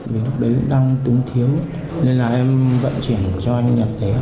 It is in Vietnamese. vì lúc đấy cũng đang túng thiếu nên là em vận chuyển cho anh nhật đấy